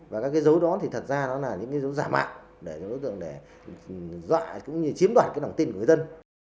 và cái dấu đó thì thật ra là những dấu giả mạng để đối tượng đoạ cũng như chiếm đoạt cái đồng tin của người dân